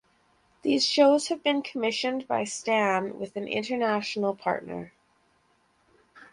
These shows have been commissioned by Stan with an international partner.